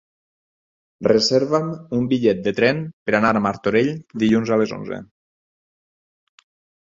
Reserva'm un bitllet de tren per anar a Martorell dilluns a les onze.